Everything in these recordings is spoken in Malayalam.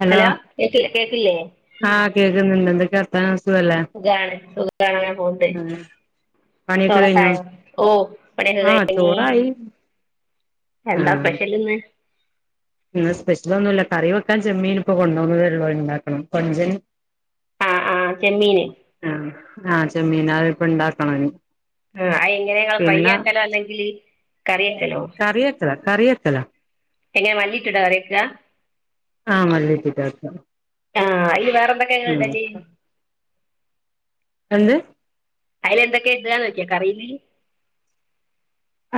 ഹലോ കേക്കില്ലേ കേക്കില്ലേ ആ കേക്കുന്നുണ്ട് എന്തൊക്കെയാ ആ സുഖാ സുഖമാണ് അങ്ങനെ പൂവുണ്ട് പണിയൊക്കെ ചോറ് ഒകെ കഴിഞ്ഞോ അയ്യോ ഓ പണി ഒകെ ആഹ് കഴിഞ്ഞു ചോറായി എന്താ ആഹ് സ്പെഷ്യൽ ഇന്ന് ഇന്ന് സ്പെഷ്യൽ ഒന്നുല്ല കറി വെക്കാൻ ചെമ്മീൻ ഇപ്പൊ കൊണ്ടോന്നതേ ഉള്ളൂ അത് ഉണ്ടാകണം കൊഞ്ചൻ ആ ആ ചെമ്മീന് ആ ചെമ്മീനാ ഇപ്പ ഇണ്ടാക്കണ ഇനി ആ അയ് എങ്ങനെങ്ങള് പ്രൈ പിന്നെ ആക്കലോ അല്ലെങ്കില് കറിവെക്കലോ കറി വെക്കലാ എങ്ങന മല്ലിട്ട്ട്ടാ കറി വെക്ക ആ മല്ലിട്ട്ട്ടാ ആക്കാ ആ അയില് വേറെ എന്തൊക്കെയാ ഇങ്ങള് ഉം ഇടല് എന്ത് അയിൽ എന്തൊക്കെ ഇടാ നോക്കിയാ കറീല്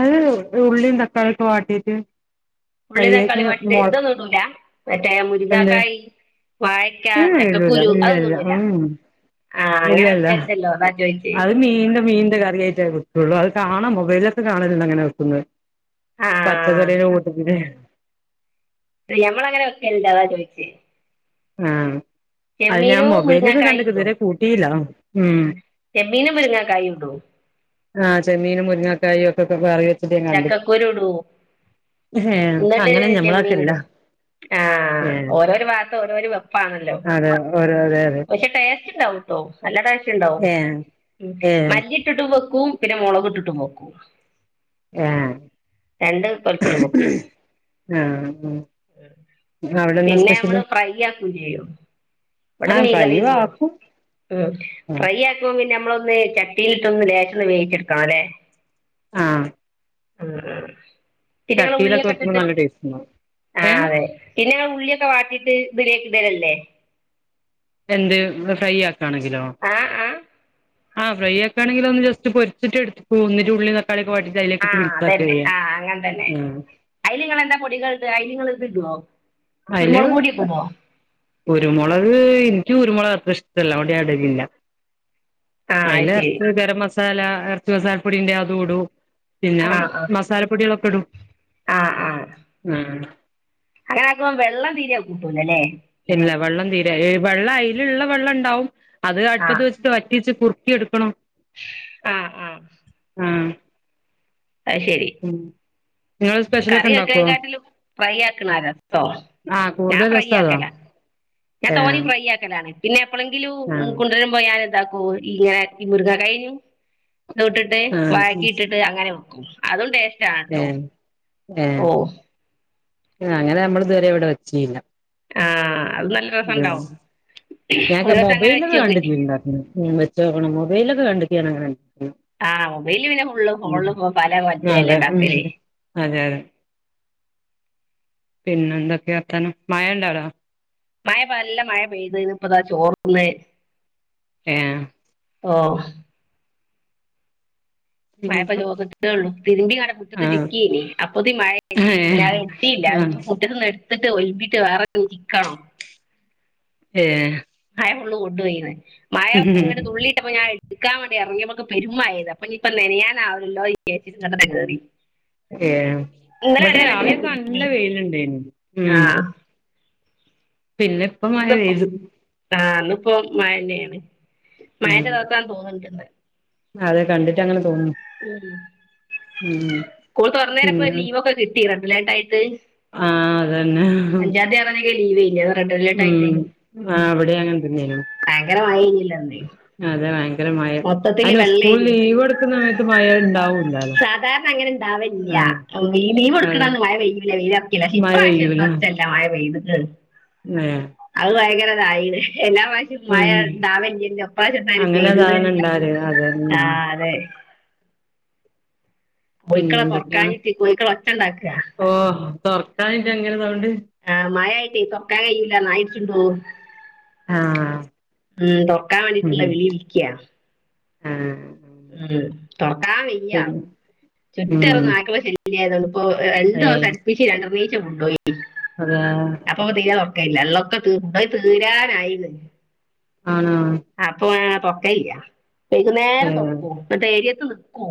അത് ഉള്ളിയും തക്കാളിയൊക്കെ വാട്ടീട്ട് ഉള്ളിം തക്കാളിം വാട്ടിട്ട് ഇതൊന്നും ഇടൂല്ല എന്തേ വാഴക്ക ഉം ചക്കക്കുരു ഉ ഇല്ല അതൊന്നും ഇല്ല ഇടൂല ഉം ആ ഇല്ല അങ്ങനെ ഇല്ല വെക്കലുണ്ടല്ലോ അതാ ചോദിച്ചേ അത് മീന്റെ മീന്റെ കറിയായിട്ടേ കിട്ടൊള്ളൂ അത് കാണാം മൊബൈലൊക്കെ കാണല്ണ്ട് അങ്ങനെ വെക്കുന്നെ ആ പച്ചക്കറിൻ്റെ കൂട്ടത്തിലെ ഞമ്മള അങ്ങനെ വക്കൽ ഇണ്ട് അതാ ചോയിച്ചേ ആ ചെമ്മീനും മുരിങ്ങാക്കായും ഇടും കൂട്ടിയില്ല ഉം ആ ചെമ്മീനും മുരുങ്ങാക്കായും ഇടും ആ ചെമ്മീനും മുരിങ്ങാക്കായും ഒക്കെക്കെ കറി വെ ചക്കക്കുരു ഇടൂ ഏഹ് ഇന്നട്ട് അങ്ങനെ ചെമ്മീൻ ഞമ്മളൊക്കെല്ല ഇടും ആ ഏഹ് ഓരോരു ഭാഗത്ത് ഓരോരോ വെപ്പാണല്ലോ അതെ ഓരോ അതെ അതെ പക്ഷെ പേ ഇണ്ടാവൂട്ടോ നല്ല ടേസ്റ്റിണ്ടാവും ഏഹ് ഉം ഏഹ് മല്ലി ഇട്ടിട്ടും വെക്കും പിന്നെ മുളക് ഇട്ടിട്ടും വെക്കും ഏഹ് രണ്ട് കൊലത്തിലും വെക്കും ഏഹ് പിന്നെ നമ്മള് ഫ്രൈ ആക്കും ചെയ്യും ഇവിടെ ആഹ് മീൻ ഫ്രൈ കറിയും ചോറും ആക്കും മ്മ് ഫ്രൈ ആക്കും പിന്നെ നമ്മൾ ചട്ടിയിലിട്ടൊന്ന് ലേശം ഒന്ന് വേവിച്ചെടുക്കണം അല്ലേ ആഹ് ആഹ് ആഹ് ചട്ടിയിലൊക്കെ വെക്കുമ്പോ നല്ല ടേസ്റ്റുണ്ടാവും ആ അതെ പിന്നെ ഉള്ളിയൊക്കെ വാട്ടിട്ട് ഇതയിലേക്ക് ഇടലല്ലെ എന്ത് നമ്മള് ഫ്രൈ ആ ക്കാണെങ്കിലൊ ആ ആ ആഹ് ഫ്രൈ ആക്കാണെങ്കിൽ ഒന്ന് ജസ്റ്റ് പൊരിച്ചിട്ട് ഇട്ക്കും എന്നിട്ട് ഉള്ളിം തക്കാളിം ആഹ് അതന്നെ ആഹ് അങ്ങനെ തന്നെ ഉം അയിൽ ഇങ്ങെളെന്താ പൊടികൾ ഇടാ അയിൽ ഇങ്ങള് ഇത് ഇടോ അതില് കുരുമുളക് പൊടിയിടുമോ കുരുമുളക് എനിക്ക് കുരുമുളക് അത്ര ഇഷ്ടല്ലാ അതോണ്ട് ഞാൻ ഇടലില്ല ആ അത് അയില് ശരി അരപ്പ് ഗരം മസാല ഇറച്ചി മസാലപ്പൊടിന്റെ അതും ഇടും പിന്നെ ആ ആ മസാലപ്പൊടികളൊക്കെ ഇടും ആ ആ മ്മ് അങ്ങനെ ആക്കുബോൾ വെള്ളം തീരെയാ കൂട്ടൂലല്ലേ ഇല്ല വെള്ളം തീരെ വെള്ളം അതിലുള്ള വെള്ളം ഉണ്ടാവും അത് അടുപ്പത് വെച്ചട്ട് വറ്റിച്ച് കുറുക്കും നോക്കി എടുക്കണം ആഹ് ആഹ് ആഹ് അത്ശരി നിങ്ങള് സ്പെഷ്യലൊക്കെ കറി വെക്കേ ഉണ്ടാക്കുവോ കാട്ടിലും ഫ്രൈ ആക്കണ രസോ ആ ഞാൻ കൂടുതൽ ഫ്രൈ രസം അതാ ആക്കല ഞാൻ ഏ തോന്നെ ഫ്രൈ ആക്കലാണ് പിന്നെ എപ്പഴെങ്കിലും ആ കൊണ്ടുവരമ്പോ ഞാൻ എന്താകും ഇങ്ങനെ ഈ മുർഗ കഴിഞ്ഞു ഇട്ടിട്ട് ആ വാഴക്ക ഇട്ടിട്ട് അങ്ങനെ വയ്ക്കും അതുണ്ടേ ഏ കേട്ടോ ഓഹ് ആഹ് അങ്ങനെ നമ്മള് ഇത് വരെ ഇവിടെ വെച്ചീല ആഹ് അത് നല്ല മ്മ് രസണ്ടാവും ഞാനൊക്ക ഒരു ദിവസം അങ്ങനെ വെച്ച് മൊബൈലൊക്കെ നോക്കണ്ടി കണ്ടിട്ടുണ്ട് വെച്ചോക്കണം മൊബൈലൊക്കെ കണ്ടിട്ടുണ്ട് [unintelligible] ആഹ മൊബൈലില് പിന്നെ ഫുള്ള് ഫോളും പലകോലത്തിലാലെ അതെ ഉം ണ്ടാക്കല് അതെ അതെ പിന്നെ എന്തൊക്കെ വർത്താനം മഴ ഇണ്ടാടെ മഴ നല്ല മഴ പെയ്ത് ഇപ്പതാ ചോർ ന്ന് ഏ ഓ പിന്നെ മഴപ്പ ചോർന്ന്ട്ടോളൂ തിരുമ്പി ങ്ങടെ കുത്തർന്ന് ആഹ് ചിക്കിനി അപ്പൊത്തിന് മഴയത് പിന്നെ ഏഹ് അത് ഇട്ത്തില അത് ആഹ് മുറ്റ ത്ത്ന്ന് എ ട് ത്ത്ട്ട് ഒൽമ്പിട്ട് വേറെ [unintelligible] ചിക്കണം ഏ എ ഫുള് കൊണ്ടോയിണ് മഴ ഇങ്ങനെ തുള്ളിട്ടപ്പം ഞൻ ട്ക്കാൻ വേണ്ടി ഇറങ്ങ്യപ്പക്ക് പെരും മയയ്ത് അപ്പഞ് ഇപ്പോ നനയാനാവുല്ലല്ലോയാർച് ഇങ്ങേട്ടേനെ കേറി ഏ ഇന്നലെ ഇവിടെ വരെ രാവിലെക്കെ നല്ല വെയിലേനി വെയില്ണ്ടായിനി ഉം ആഹ് പിന്നെ ഇപ്പ മഴ പെയ്തു ഇപ്പ മഴ പെയ്ന്നുന്നു ഉം മഴയൊക്കെ റെദ് ആകുവോ കണ്ടിട്ട് അതെ കണ്ടട്ട് അങ്ങ സ്കൂൾ തൊർന്നേര ഇപ്പൊ ലീവൊക്കെ കിട്ടി രണ്ട് ഇല്ലാണ്ടായിട്ട് ആ അതന്നെ ലീ വേനി താ ഉം ആ ഇ വിടെ അങ്ങനെ തന്നെയ് നു ഭയങ്കര മഴയില്ല അന്ന് അതെ വാ മൊത്തത്തില് വെള്ളേനി എടുക്കുന്ന സമയത്ത് മഴ ഉണ്ടാവൂല്ലാലോ സാധാരണ അങ്ങനെണ്ടാവില്ല്യ ആ ഈ അതെ ലീവ്എടുക്കണന്ന് മഴ പെയ്യുല്ല വൈലർകല മഴ ഇപ്രാശ്യം പെയ്യൂല എന്താ ച്ചല്ല മഴ പെയ്ത് ഉം ഏ ഭയങ്കര [unintelligible] എല്ലാ പഷ്യോം മയ ഉം ഉണ്ടാവലില്ലലോ ഇപശ്യം എന്തലും പെയ്ത് ണ്ടാര് അതെ ഉം പിന്നെ കോയ്ക്കളെ എന്തൊക്കെയാണ് തൊറക്കാഞ്ഞിട്ട് കോയ്ക്കള് ഒച്ചണ്ടാക്കാ തൊർക്കാനിട്ട്ങ്ങനെസൗണ്ട് ആ മയയിട്ടേ തൊർക്കാൻ കയൂല്ല നായിട്ട്ടുണ്ടു ആ ഉം തോറക്കാൻ വേണ്ടിട്ടുള്ള ഉം വിളി വിളിക്കാ ആ ഉം തൊ അ വയ്യ പിന്നെ ചുറ്റ ഉം റും നായികളെ ശല്യയതോണ്ട് ഓ [unintelligible] [unintelligible] [unintelligible] [unintelligible] ഏ വെള്ളതൊകെ അതാ [unintelligible] തീ തീരാനായീണ് ആണോ [unintelligible] ഏ വൈകുന്നേരം നോക്കുവോ ഡെയിലി ഇത് നിക്കുവോ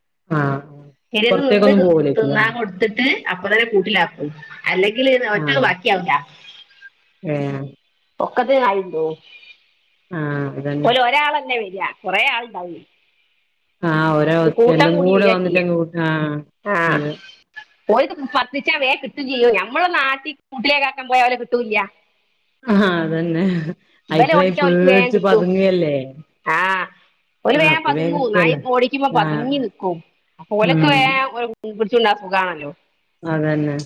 ആഹ് [unintelligible] നിന്ന് തിന്നാം കൊട്തിട്ടു അപ്പത്തന്നെ കൂട്ടിലാക്കും അല്ലെങ്കില് ഒറ്റാള് ബാക്യാവൂല ഏഹേ ഒക്കത്തിനും ആയിണ്ടോ ആ അതന്നെ ഓല് ഒരാളെന്നെ വെയ് യാ കൊറേ ആള്ണ്ടാവുയ് ആഹ് ഒര് എല്ലം കൂടെ വന്നിട്ട് ചെയ്യാ [unintelligible] ആഹ് അതെ ഓല് പത്തിച്ചാ വേം കിട്ടും ചിയ്യും നമ്മളൊന്നും ആട്ടി കൂട്ടിലേകാക്കാം പോയ ഓലെ കിട്ടൂല്ല ആ അതന്നെ ഇവലെ ഐറ്റള് ഓടിച്ചാ ഓൽക്ക് വേഗം പേടിച്ച് കിട്ടും പതുങ്ങല്ലേ ആ ഓല് ആ വേഗം അപ്പൊ പതുങ്ങും നായി വേംകിട്ടല്ലോ ഓടിക്കുമ്പോ പതുങ്ങി ആഹ് മ് പിടിച്ചോണ്ടൊക്കാൻ സുഖാണല്ലോ. അതന്നെ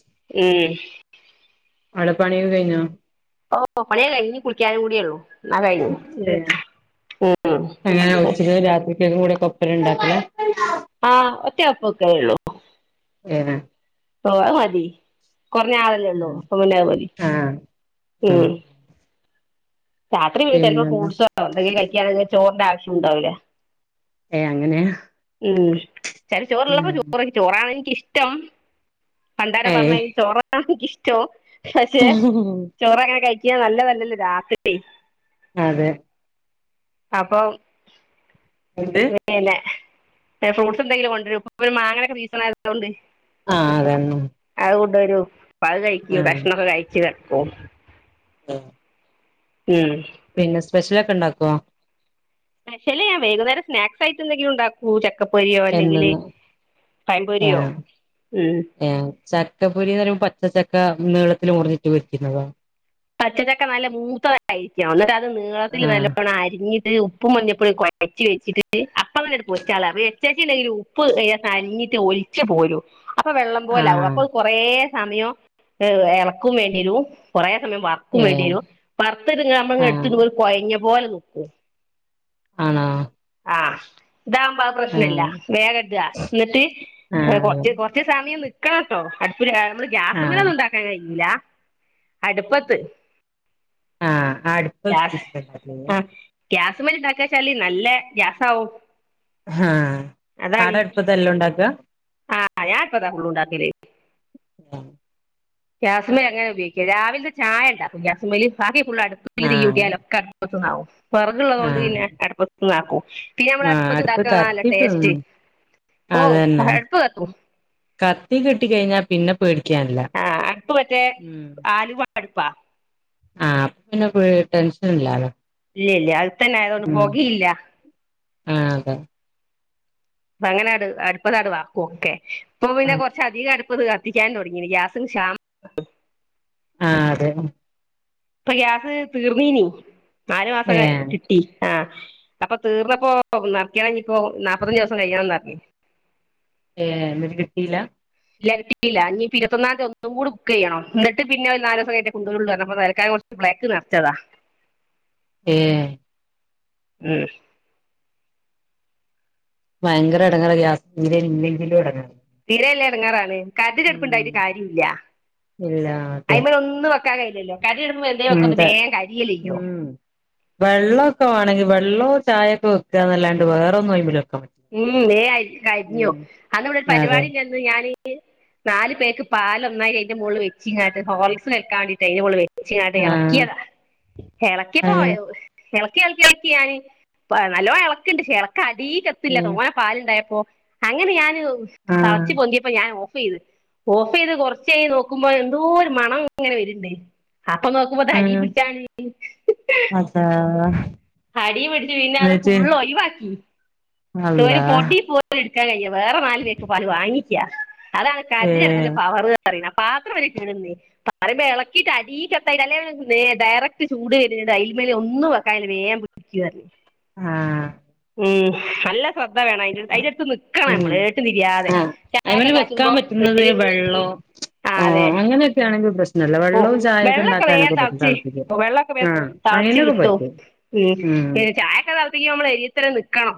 ഉം അടെപ്പണി ഒക്കെ കൈഞ്ഞോ? ഓ പണിക്കെ കയിഞ്ഞു ഇനി കുളിക്കാനും കൂട്യള്ളൂ. ഏ ഉം അങ്ങനെ ഉച്ചക്ക് രാത്രി കക്കും കൂടെ ഒപ്പരം ണ്ടാക്കലാ ആഹ് ഒറ്റവെപ്പെ വെക്കലുള്ളൂ ഏനെ ഓ അഹ്മതി കൊറഞ്ഞ ആളല്ലേള്ളൂ ആഹ് അപ്പപിന്നത് മതി ആഹ് ആഹ് ഊം രാത്രി പിന്നെ ചെലപ്പോ പിന്നെന്താ ഫ്രൂട്സോ എന്തെങ്കിലും കഴിക്കാണെങ്കി ചോ ആവശ്യണ്ടാവൂല ഏ അങ്ങനേ മ് ചരി ചോറ്ള്ളപ്പോ ചോ ചോറാണ് നിക്ക് ഇഷ് ട്ട പണ്ടാര ആഹ് ഏഹ് പറഞ്ഞഈ ചോറണ റ്റൊ പക്ഷെ ചോറ് അങ്ങനെ കഴിച്ച ഞ നല്ല വല്ലല്ലേ രാത്രി അതെ അപ്പൊ എന്ത് ഉന്നല്ല ഫ്രൂട്ട്സ് എന്തെിലും കൊണ്ടുവരും ഇപ്പ മാങ്ങനൊക്കെ സീസൺ ആയതുകൊണ്ട് ആഹ് അതന്ന കൊണ്ട വരു പാ കഴിക്കോ കഷ്മൊക്കെ കഴിക്കുക ആഹ് ഉം സ്പെഷ്യല ഒക്കെ ഉണ്ടാക്കോ സ്പെഷ്യൽ വൈകുന്നേരം സ്നാക്സ് ആയിട്ട് എന്തെങ്കിലും ഉണ്ടാക്കൂ ഒക്കെ പൊരിയോ അല്ലെങ്കിൽ എന്നെന്നും പയപൊരിയോ ഉ ചക്കപ്പൊരി പറയുമ്പോ പച്ചക്ക നീളത്തിൽ ഉർഞ്ഞിട്ട് വരിക്കുന്നതോ പച്ചച്ചക്കെ നല്ല മൂത്തയിരിക്കാം എന്നിട്ട് അത് നീളത്തിൽ ആഹ് നല്ലോണ്ണം അരിഞ്ഞി ഉപ്പ് മഞ്ഞപ്പൊടി കുഴച്ചി വെച്ചിട്ട് പലഞ്ഞടു പോയി ചാലേ ചേച്ചിതിൽ ഉപ്പ് ഞ്ഞിട്ട് ഒലിച്ച് പോരും അപ്പൊ വെള്ളം പോലെ ആകും ആഹ് അപ്പോൾ കൊറ സമയം ഹ് ഇളക്കും വേണ്ടിരുും കുറെേ സമയം വർക്കും വണ്ടി ഏഹ് വർ ആഹ് എടു കൊഴ പോോല നക്ക ആണ ആഹ ഇതാകുമ്പാ പ്രശ്നമല്ല വേഗം എതാ എന്നിട്ട് ആഹ് കൊറച്ച് കുറച്ച് സമയം ക്കത്തോ ഒരു നമ്മള് ഗ്യാസമ്മല ആഹ് ഒന്നും ഉണ്ടാക്കാൻ കഴിയില്ല അടുപ്പത്ത് ആഹ ആ അടുത്ത പുമ താക്ക ശാലി നല്ല ഗ്യസ ആാവവും ആഹ ആടടുപ്പതെല്ലാം ഉണ്ടാക്കുക ആഹ ഞാ ആഹ് ഗ്യാസിമെ അങ്ങനെ ഉപയോഗിക്കും രാവിലത്തെ ചായ ഉണ്ടാക്കും ഗ്യാസിമേൽ ബാ ഫുൾ അടുപ്പ [unintelligible] ആഹ് ത്ത് ന്നാവും വിറകുള്ളതുകൊണ്ട് പിന്നെ അടപ്പത്തന്ന് ആക്കും പിന്നെ നമ്മളെ ആഹ് അടുപ്പ് അടുപ്പത്തിണ്ടാക്കുന്നതല്ലെ കത്തി ഉം ടേസ്റ്റ് ഓ അടുപ്പ് കത്തും കത്തികിട്ടി കഴിഞ്ഞാൽ പിന്നെ പേടിക്കാനില്ല ആഹ് അടുപ്പ് മറ്റേ ഉം ആലുവ അടുപ്പാ ആഹ അപ്പ പിന്നെ പേ ടെൻഷൻ ഇല്ലാലോ ഇല്ല ഇല്ല തന്നെ ആയതോണ്ട് ഉം പൊകയില്ല ആഹ് അതെ അപ്പ അങ്ങനെങ്ങട് അടുപ്പതാടു വാർക്കും ഒക്കെ ഇപ്പോ പിന്നെ കുറച്ചധികം അടുപ്പത് എത്തിക്കാൻ തുടങ്ങിന് ഗ്യാസിന് ക്ഷാമം ആ അതെ ഇപ്പൊ ഗ്യാസ് തീർന്നീനി നാല് മാസം കഴിഞ്ഞ് ഏഹ് കിട്ടി ആഹ് അപ്പൊ തീർന്നപ്പോ നെർക്കണിനി ഇപ്പോ നാല്പ്പത്തഞ്ച് ദിവസം കഴിയണോന്ന് പറഞ്ഞ് ഏ എന്നിട്ട് കിട്ടീയില്ല ഇല്ല കിട്ടീല ഇനി ഇരുപത്തൊന്നാം തിയതി ഒന്നും കൂടി ബുക്ക് ചെയ്യണം എന്നിട്ട് പിന്നെ ഒരു നാല് ദിവസം കഴിഞ്ഞിട്ടേ കൊണ്ട് വരുള്ളൂ പറഞ്ഞു അപ്പൊ തല്ക്കാലം കുറച്ച് ബ്ലാക്ക് നിറച്ചതാ ഏ ഉം ഭയങ്കര ഇടങ്ങേറ ഗ്യാസ് ഇല്ലെങ്കിലും ഇടങ്ങേ തീരയില്ലേ ഇടങ്ങാറാണ് കരണ്ടിന്റെ അടുപ്പുണ്ടായിട്ട് കാര്യമില്ല അയ്മേൽ ഒന്ന് വെ കഴിഞ്ഞല്ലോ അതെ മ് വെള്ളമൊക്കെ വേണമെങ്കിൽ വെള്ളം ചായൊക്കെ വെക്കാന്നല്ലാണ്ട് വേറെ ഒന്നും അയ് മല് ഉം നേരായി കരിഞ്ഞു അന്നവിടൊരു അതെ പരിപാടിണ്ടായിരുന്നു ഞാൻ നാല് പേർക്ക് പാല് ഒന്നായി അതിന്റെ മുകളിൽ വെച്ചിങ്ങാട്ട് ഹോർലിക്സ് വെയ്ക്കാൻ വേണ്ടിട്ട് അതിന്റെ മോളിൽ ച്ചിങ്ങാണ്ട് ആഹ് ഇളക്കിയതാ ഏഹ് ഇളക്കിപോയോ ഇളക്കി ഇളക്കി ഇളക്കി ഞാന് നല്ലപോലെ ഇളക്കിണ്ട് ഇളക്കാൻ അടി ഇല്ല ഉം തോന പാലുണ്ടായപ്പോ അങ്ങനെ ഞാന് ആഹ് തെളച്ച് പൊന്തിയപ്പോ ഞാൻ ഓഫ് ഓഫ് ചെയ്ത് ഓഫ് ചെയ്ത് കൊറച്ച് കഴിഞ്ഞ് നോക്കുമ്പോ എന്തോ ഒരു മണം ഇങ്ങനെ വര്ണ്ട് അപ്പൊ നോക്കുമ്പോ ഇത് ആഹ് അടിപിടിച്ചാണ് അതാ അടി പിടിച്ച് പിന്നെ അത് ന്നട്ട് ഫുള്ള് ഒഴിവാക്കി [unintelligible] അല്ലാഹ് പൊടി പോ [unintelligible] വേറെ നാല് പേക്ക് പാല് വാങ്ങി ക്ക അതാണ് കരിഞ്ഞെടുക്കുന്ന ഏഹ് കവറ് പറയ്ന്ന പാത്രം വരെ കേടുവന്നോയി പറയുമ്പോ എളക്കീട്ട് അടി കത്തായിട്ടാ അല്ലേ നേ ഡേറക്ട് ചൂട് കരിഞ്ഞത് അയ്മല് ഒന്നും വെക്കാ കയില്ല വേം ഹാ ഉം നല്ല ശ്രദ്ധ വേണം അയിന്റെടുത്ത് അയിന്റെടു ട്ട് നിക്കണം ഉം മ്മള് ഏട്ടും തിരിയാതെ ആഹ് അയ്മല് വെക്കാൻ പറ്റുന്നത് വെള്ളോ ആ അതെ ആഹ് അങ്ങനെയൊക്കെ ആണെങ്കി പ്രശ്നല്ല ഓ വെള്ളവും ചായൊക്കെ വെള്ളൊക്കെ വേം ഇണ്ടാക്കാനൊക്കെ പറ്റും തെളച്ച് തെളപ്പിക്കാൻ വെള്ളൊക്കെ വേം ആഹ് തെളച്ച് അയ്നൊക്കെ കിട്ടും പറ്റും ഉം പിന്നെ ചായൊക്കെ തെളപ്പിക്കോമ്പോളെ ഇ [unintelligible] നിക്കണം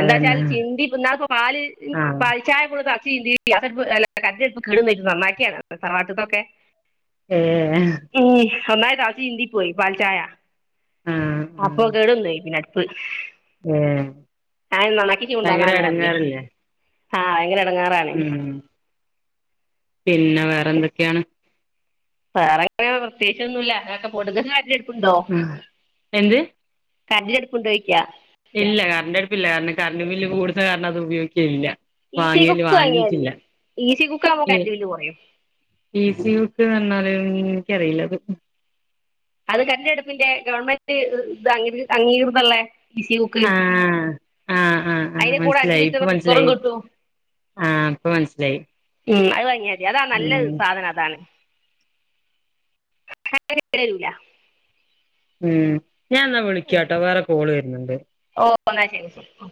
എന്താച്ചാൽ ചിന്തി [unintelligible] ന്നാൾ ഇപ്പം പാല് മ്ം ആഹ് പാൽ ചായ [unintelligible] [unintelligible] ഗ്യാസടുപ്പ് എല്ലാ കരണ്ട് വരുമ്പോ കെട് വന്നിട്ട് നന്നാക്കിയണ് തറവാട്ട്ത്തൊക്കെ ഏ നന്നായി ഗാസ് ചീന്തിപോയി പാൽചായ ആഹ് അപ്പൊ കേടൊന്നേ പി [unintelligible] [unintelligible] ഏ ഭയങ്കര എടങ്ങാറ്ല്ലേ ആഹ് [unintelligible] എടങ്ങാറാണ് പിന്നെ വേറെന്തൊക്കെയാണ് വേറെക്കെ പ്രത്യേച്ചൊന്നുല്ല അങ്ങനെയൊക്കെ പൊട്ന്ന് [unintelligible] ഉം എന്ത് കരണ്ടിഅടുപ്പ് ഉണ്ടോയ്ക്യ ഇല്ല കറണ്ട് അടുപ്പില്ല കാണം കറണ്ട് ബില്ല് കൂടുത കാരണം അത് ഉപയോഗിക്കയില്ല ഈസി കുക്ക് വാങ്ങിയതി ഈസി കുക്ക് ആമ്പോ ഏ കരണ്ട് ബില്ല് കൊറയും മ്ം ഇനിക്കറിയില്ല അത് അത് കരണ്ടടുപ്പിന്റെ ഗവൺമെന്റ് ഇത [unintelligible] അംഗീകൃതള്ള ഹാ ആഹ് ആഹ് ആഹ് അതിന്റെ കൂടെ അഞ്ച് മൻസ്സിലായി ഇപ്പ ലിറ്റർ കുക്കറും മൻസിലായി കിട്ടും ഹാ ഇപ്പൊ മൻസ്സിലായി ഉം അത് വാങ്ങിയാതി ഏതാ നല്ലത് സാധനം അതാണ് [unintelligible] ഉം ഞാൻ എന്നാ വിളിക്കാട്ടോ വേറ കോള് വര പിന്നെണ്ട് ഓന്നാ ശരി ശരി